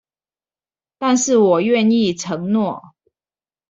但是我願意承諾